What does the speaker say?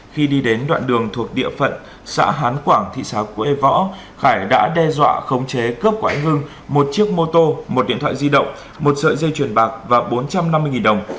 khi đi đến đoạn đường thuộc địa phận xã hán quảng thị xã quế võ khải đã đe dọa khống chế cướp của anh hưng một chiếc mô tô một điện thoại di động một sợi dây chuyền bạc và bốn trăm năm mươi đồng